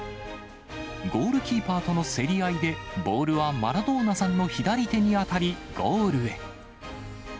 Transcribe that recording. ゴールキーパーとの競り合いで、ボールはマラドーナさんの左手に当たり、ゴールへ。